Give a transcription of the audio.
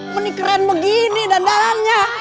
menikeran begini dandarannya